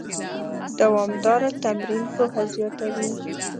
دوامداره تمرین پوهه زیاتوي.